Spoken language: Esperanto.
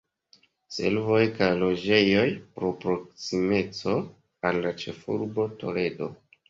Servoj kaj loĝejoj pro proksimeco al la ĉefurbo Toledo.